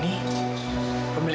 kita bisa mencari